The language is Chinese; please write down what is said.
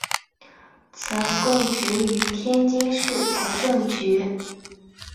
曾供职于天津市财政局。